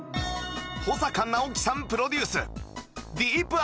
保阪尚希さんプロデュース